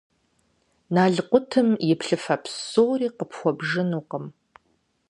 Налкъутым и плъыфэ псори къыпхуэбжынукъым.